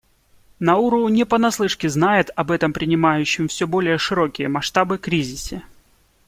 Науру не понаслышке знает об этом принимающем все более широкие масштабы кризисе.